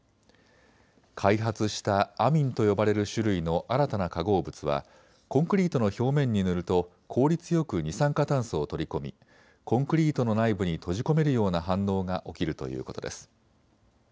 開発したアミンと呼ばれる種類の新たな化合物はコンクリートの表面に塗ると効率よく二酸化炭素を取り込みコンクリートの内部に閉じ込めるような反応が起きるということです。